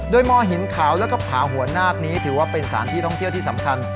โดยมหินขาวแล้วก็ผาหัวนาคนี้ถือว่าเป็นสถานที่ท่องเที่ยวที่สำคัญ